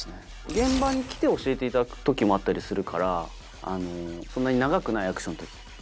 現場に来て教えていただく時もあったりするからそんなに長くないアクションの時。